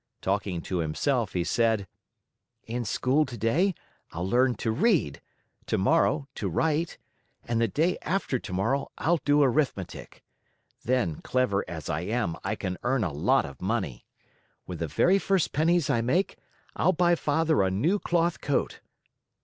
Talking to himself, he said: "In school today, I'll learn to read, tomorrow to write, and the day after tomorrow I'll do arithmetic. Then, clever as I am, I can earn a lot of money. With the very first pennies I make, I'll buy Father a new cloth coat.